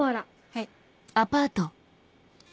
はい。